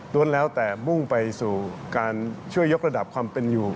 แล้วแต่มุ่งไปสู่การช่วยยกระดับความเป็นอยู่